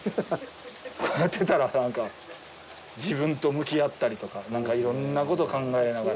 こうやっていたら自分と向き合ったりとかいろんなことを考えながら